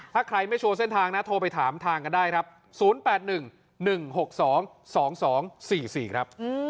ถ้าใครไม่โชว์เส้นทางนะโทรไปถามทางกันได้ครับ๐๘๑๑๖๒๒๔๔ครับ